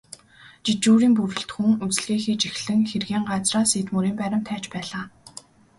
Жижүүрийн бүрэлдэхүүн үзлэгээ хийж эхлэн хэргийн газраас эд мөрийн баримт хайж байлаа.